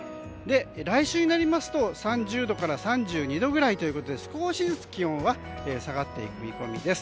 来週になりますと３０度から３２度ぐらいということで少しずつ気温は下がっていく見込みです。